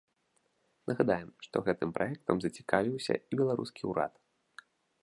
Нагадаем, што гэтым праектам зацікавіўся і беларускі ўрад.